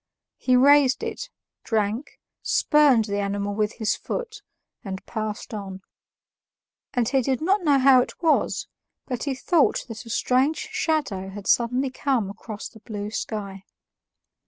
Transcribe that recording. He raised it, drank, spurned the animal with his foot, and passed on. And he did not know how it was, but he thought that a strange shadow had suddenly come across the blue sky.